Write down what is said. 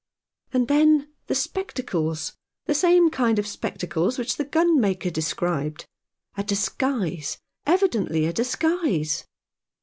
And then, the spectacles — the same kind of spectacles which the gunmaker described. A disguise — evidently a disguise."